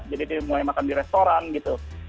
jadi mulai makan di restoran gitu